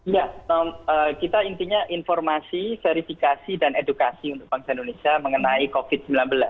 ya kita intinya informasi verifikasi dan edukasi untuk bangsa indonesia mengenai covid sembilan belas